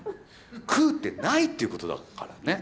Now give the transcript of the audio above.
「空」って「ない」っていうことだからね。